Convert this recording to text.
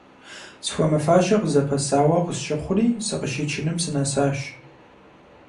Схуэмыфащэ къызапэсауэ къысщыхъури, сыкъыщичыным сынэсащ.